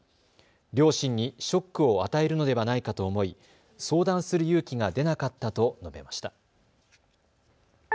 両親にショックを与えるのではないかと思い相談する勇気が出なかったと述べました。